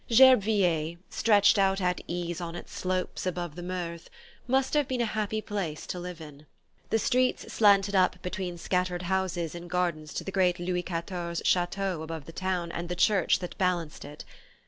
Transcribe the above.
Gerbeviller, stretched out at ease on its slopes above the Meurthe, must have been a happy place to live in. The streets slanted up between scattered houses in gardens to the great Louis XIV chateau above the town and the church that balanced it.